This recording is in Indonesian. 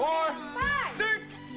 wuih luar biasa